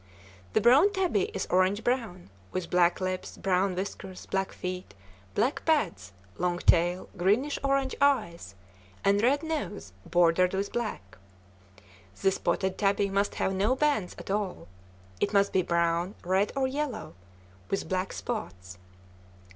The brown tabby is orange brown, with black lips, brown whiskers, black feet, black pads, long tail, greenish orange eyes, and red nose bordered with black. The spotted tabby must have no bands at all. It must be brown, red, or yellow, with black spots.